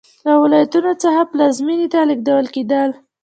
له ولایتونو څخه پلازمېنې ته لېږدول کېدل.